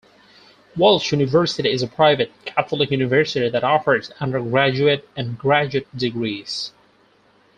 Walsh University is a private, Catholic university that offers undergraduate and graduate degrees.